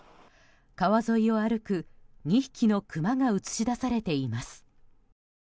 川沿いを歩く２匹のクマが映し出されています。